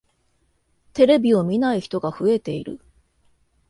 テレビを見ない人が増えている。